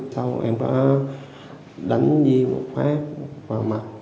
xong rồi em có đánh duy một phát vào mặt